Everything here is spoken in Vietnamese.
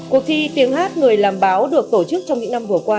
cuộc thi tiếng hát người làm báo được tổ chức trong những năm vừa qua